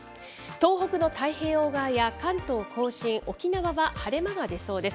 東北の太平洋側や、関東甲信、沖縄は晴れ間が出そうです。